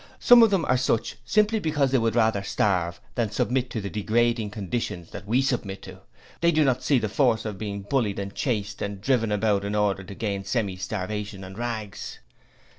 Some of them are such simply because they would rather starve than submit to the degrading conditions that we submit to, they do not see the force of being bullied and chased, and driven about in order to gain semi starvation and rags.